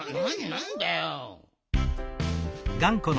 なんだよ。